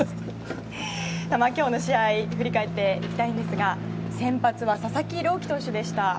今日の試合を振り返っていきたいんですが先発は佐々木朗希投手でした。